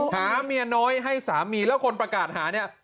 หาเมียน้อยให้สามีแล้วคนประกาศหาเนี่ย